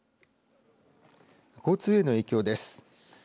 交通への影響です。